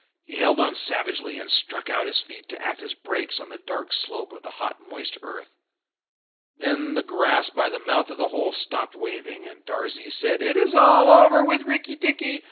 He held on savagely, and stuck out his feet to act as brakes on the dark slope of the hot, moist earth. Then the grass by the mouth of the hole stopped waving, and Darzee said, "It is all over with Rikki tikki!